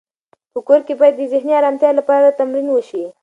په کور کې باید د ذهني ارامتیا لپاره تمرین وشي.